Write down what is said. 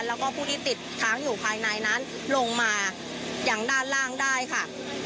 แล้วก็ผู้ที่ติดค้างอยู่ภายในนั้นลงมาอย่างด้านล่างได้ค่ะ